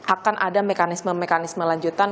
akan ada mekanisme mekanisme lanjutan